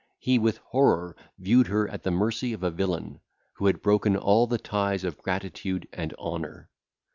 He with horror viewed her at the mercy of a villain, who had broken all the ties of gratitude and honour.